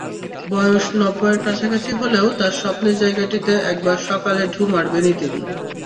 বয়স নব্বইয়ের কাছাকাছি হলেও তাঁর স্বপ্নের জায়গাটিতে একবার সকালে ঢুঁ মারবেনই তিনি।